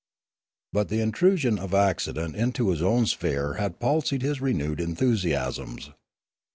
But the intrusion of accident into his own sphere had palsied his renewed enthusiasms.